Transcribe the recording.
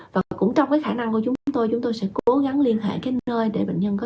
và cũng trong cái khả năng của chúng tôi chúng tôi sẽ cố gắng liên hệ cái nơi để bệnh nhân có